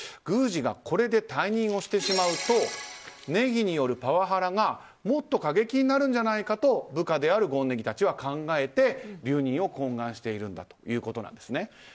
宮司がこれで退任をしてしまうと禰宜によるパワハラがもっと過激になるんじゃないかと部下である権禰宜たちは考えて留任を懇願しているということなんです。